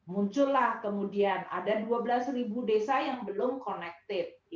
muncullah kemudian ada dua belas desa yang belum connected